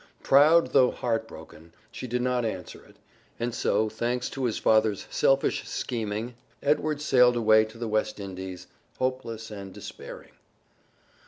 Proud, though heartbroken, she did not answer it, and so, thanks to his father's selfish scheming, Edward sailed away to the West Indies, hopeless and despairing.